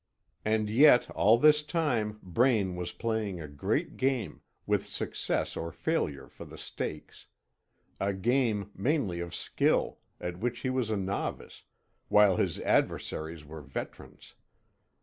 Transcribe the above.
And yet all this time Braine was playing a great game, with success or failure for the stakes; a game mainly of skill, at which he was a novice, while his adversaries were veterans.